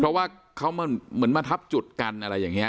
เพราะว่าเขาเหมือนมาทับจุดกันอะไรอย่างนี้